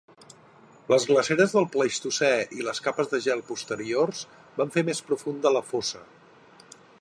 Les glaceres del Plistocè i les capes de gel posteriors van fer més profunda la fossa.